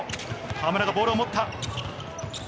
河村がボールを持った。